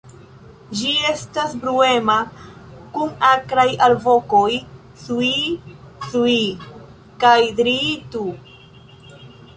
Ĝi estas bruema, kun akraj alvokoj "sŭii-sŭii" kaj "driii-tu".